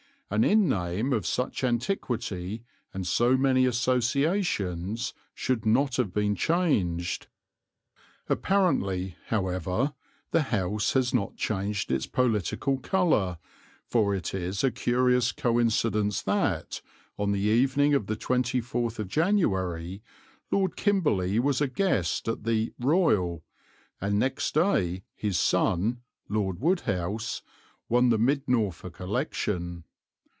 An inn name of such antiquity and so many associations should not have been changed. Apparently, however, the house has not changed its political colour, for it is a curious coincidence that, on the evening of 24 January, Lord Kimberley was a guest at the "Royal," and next day his son, Lord Wodehouse, won the Mid Norfolk election.